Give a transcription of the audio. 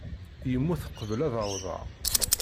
Yemmut qbel ad awḍeɣ.